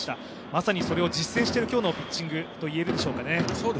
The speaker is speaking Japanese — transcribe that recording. まさにそれを実践している今日のピッチングといえるでしょうかね。